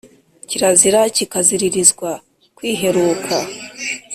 kirazira kikaziririzwa kwihekura